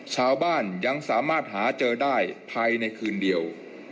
ชาวบ้านยังสามารถหาเจอได้ภายในคืนเดียว